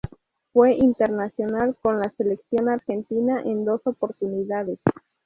Fue internacional con la Selección Argentina en dos oportunidades.